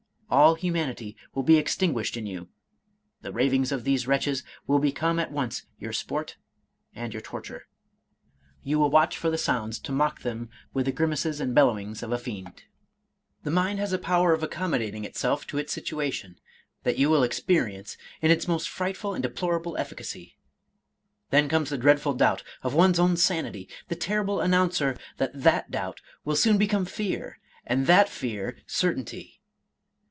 All humanity will be extinguished in you. The ravings of these wretches will become at once your sport and your torture. You will watch for the sounds, to mock them with the grimaces and bellowings of a fiend. The mind has a power of accommodating itself to its situa tion, that you will experience in its most frightful and de plorable efficacy. Then comes the dreadful doubt of one's own sanity, the terrible announcer that that doubt will soon become fear, and that fear certainty.